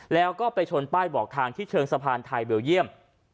แล้วก็ไปชนป้ายบอกทางที่เชิงสะพานไทยเบลเยี่ยม